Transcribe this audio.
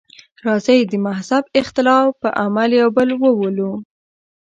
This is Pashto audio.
راځئ د مهذب اختلاف په عمل یو بل وولو.